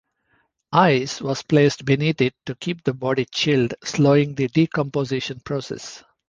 Ice was placed beneath it to keep the body chilled, slowing the decomposition process.